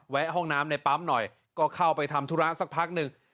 ห้องน้ำในปั๊มหน่อยก็เข้าไปทำธุระสักพักหนึ่ง